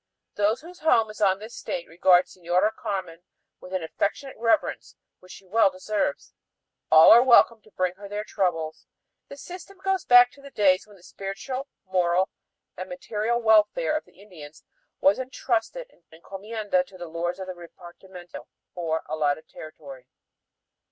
Those whose home is on the estate regard Señora Carmen with an affectionate reverence which she well deserves. All are welcome to bring her their troubles. The system goes back to the days when the spiritual, moral, and material welfare of the Indians was entrusted in encomienda to the lords of the repartimiento or allotted territory.